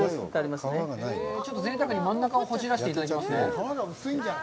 ちょっとぜいたくに真ん中をほぐしていただきますね。